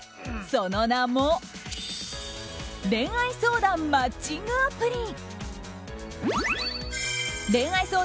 その名も恋愛相談マッチングアプリ。